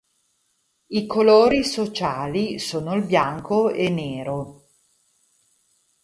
I colori sociali sono il bianco e nero.